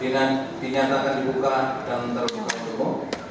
dinyatakan dibuka dan terbuka semua